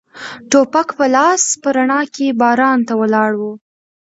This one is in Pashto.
ټوپک په لاس په رڼا کې باران ته ولاړ و.